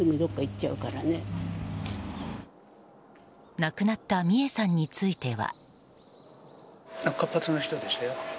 亡くなった美恵さんについては。